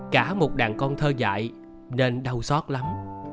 cả một đàn con thơ dạy nên đau xót lắm